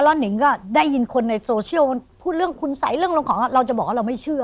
แล้วนิงก็ได้ยินคนในโซเชียลพูดเรื่องคุณสัยเรื่องลงของเราจะบอกว่าเราไม่เชื่อ